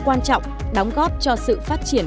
quan trọng đóng góp cho sự phát triển